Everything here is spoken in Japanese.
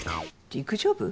陸上部？